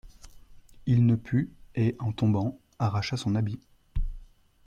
Il ne put, et, en tombant, arracha son habit.